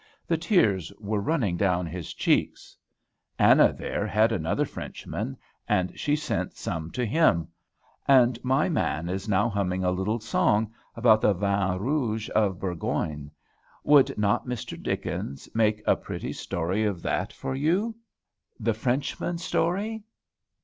The tears were running down his cheeks. Anna, there, had another Frenchman; and she sent some to him: and my man is now humming a little song about the vin rouge of Bourgogne. Would not Mr. Dickens make a pretty story of that for you, 'THE FRENCHMAN'S STORY'?"